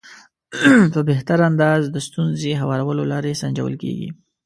په بهتر انداز د ستونزې هوارولو لارې سنجول کېږي.